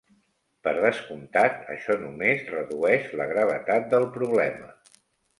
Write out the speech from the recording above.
Per descomptat això només redueix la gravetat del problema.